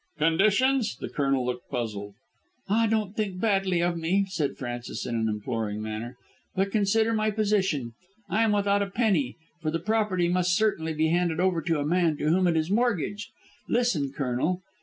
"Conditions?" The Colonel looked puzzled. "Ah, don't think badly of me," said Frances in an imploring manner. "But consider my position. I am without a penny, for the property must certainly be handed over to the man to whom it is mortgaged. Listen, Colonel.